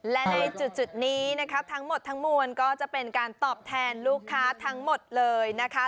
และในจุดนี้นะคะทั้งหมดทั้งมวลก็จะเป็นการตอบแทนลูกค้าทั้งหมดเลยนะคะ